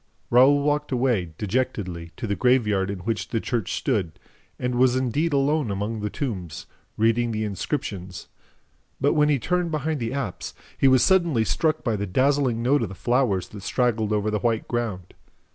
Raoul walked away, dejectedly, to the graveyard in which the church stood and was indeed alone among the tombs, reading the inscriptions; but, when he turned behind the apse, he was suddenly struck by the dazzling note of the flowers that straggled over the white ground.